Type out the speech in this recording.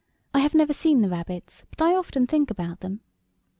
"I have never seen the rabbits, but I often think about them."